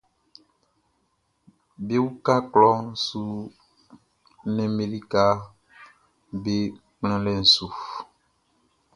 Be uka klɔʼn su nnɛnʼm be likaʼm be kplanlɛʼn su.